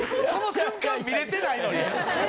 その瞬間見れてないのに。